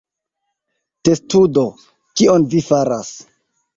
Testudo: "Kion vi faras?"